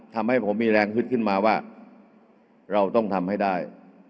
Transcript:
ทำให้ผมมีแรงฮึดขึ้นมาว่าเราต้องทำให้ได้